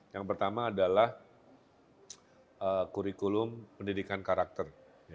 yang pertama adalah kurikulum pendidikan karakter